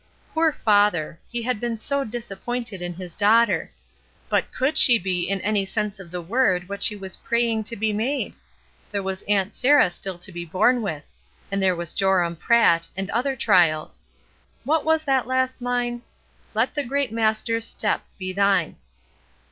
Poor father! he had been so disappointed in his daughter. But could she be in any sense of the word what she was praying to be made^ There was Aunt Sarah still to be borne with a^d there was Joram Pratt, and other trials' What was that last line? " Let the great Master's step be thine."